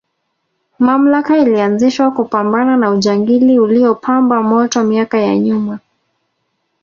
mamlaka ilianzishwa kupambana na ujangili uliopamba moto miaka ya nyuma